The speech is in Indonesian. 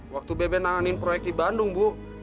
waktu bebe nanganin proyek di bandung bu